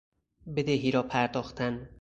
بدهی را پرداختن